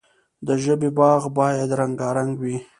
د ژبې باغ باید رنګارنګ وي.